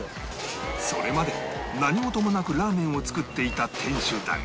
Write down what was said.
それまで何事もなくラーメンを作っていた店主だが